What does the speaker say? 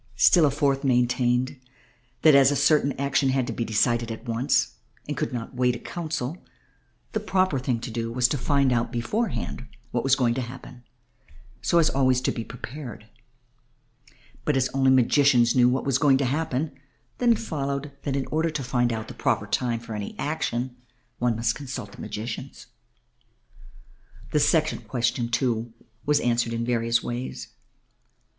Still a fourth maintained that as certain action had to be decided at once and could not wait a council the proper thing to do was to find out beforehand what was going to happen so as to be always prepared. But as only magicians knew what was going to happen, then it followed that in order to find out the proper time for any action one must consult the magicians. The second question, too, was answered in various ways.